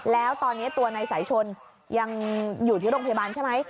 แล้วตอนนี้ตัวนายสายชนยังอยู่ที่โรงพยาบาลใช่ไหม